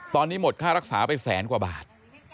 ตอนนี้หมดค่ารักษาไปแสนกว่าบาท